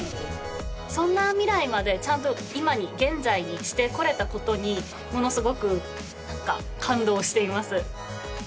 そんな未来までちゃんと今に現在にしてこれたことにものすごくなんか感動しています